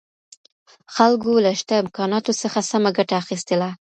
خلګو له شته امکاناتو څخه سمه ګټه اخیستله.